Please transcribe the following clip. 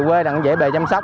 quê dễ bề chăm sóc